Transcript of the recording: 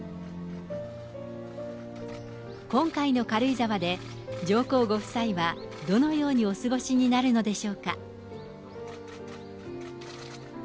今回の軽井沢で、上皇ご夫妻はどのようにお過ごしになるのでしょうか。